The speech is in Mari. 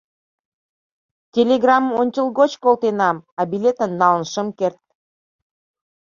Телеграммым ончылгоч колтенам, а билетым налын шым керт.